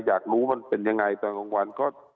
อยากรู้มันเป็นยังไงตอนกลางวันก็